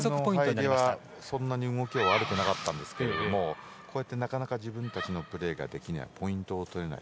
入りは、そんなに動きが悪くなかったんですけどなかなか自分たちのプレーができないポイントが取れない。